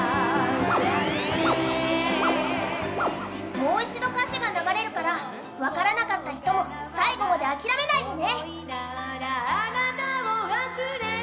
もう一度、歌詞が流れるから分からなかった人も最後まで諦めないでね。